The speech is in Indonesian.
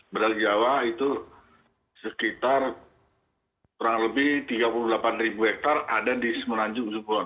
badak jawa itu sekitar kurang lebih tiga puluh delapan ribu hektare ada di semenanjung ujung kulon